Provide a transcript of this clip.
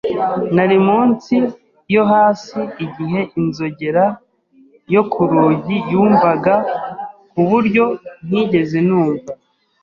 Nari mu nsi yo hasi igihe inzogera yo ku rugi yumvaga, ku buryo ntigeze numva.